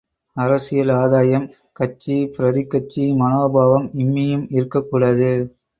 அரசியல் ஆதாயம், கட்சி பிரதி கட்சி மனோபாவம் இம்மியும் இருக்கக்கூடாது.